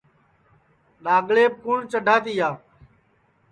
ڈؔاگڑیپ کُوٹؔ چڈھا تیا